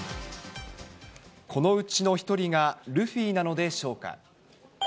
このうちの１人がルフィなのでしょうか。